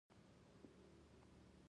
د چابهار بندر ولې مهم دی؟